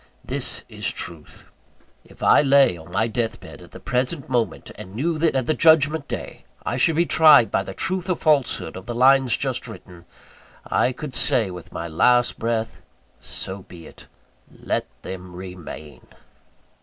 _ This is truth. If I lay on my death bed, at the present moment, and knew that, at the Judgment Day, I should be tried by the truth or falsehood of the lines just written, I could say with my last breath: So be it; let them remain.